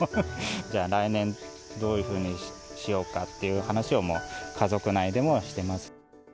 じゃあ、来年どういうふうにしようかっていう話をもう家族内でもしてます。